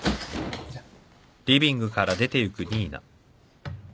じゃあ。